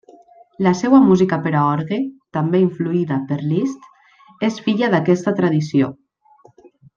La seua música per a orgue, també influïda per Liszt, és filla d'aquesta tradició.